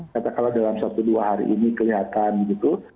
kata kalau dalam satu dua hari ini kelihatan gitu